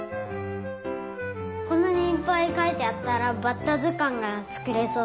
こんなにいっぱいかいてあったらバッタずかんがつくれそう。